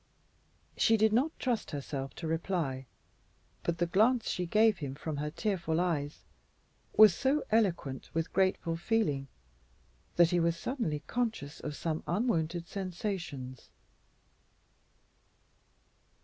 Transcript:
She did not trust herself to reply, but the glance she gave him from her tearful eyes was so eloquent with grateful feeling that he was suddenly conscious of some unwonted sensations.